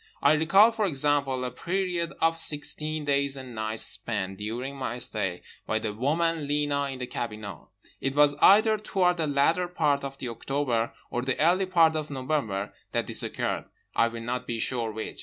I recall, for example, a period of sixteen days and nights spent (during my stay) by the woman Lena in the cabinot. It was either toward the latter part of October or the early part of November that this occurred, I will not be sure which.